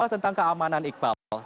tentang keamanan iqbal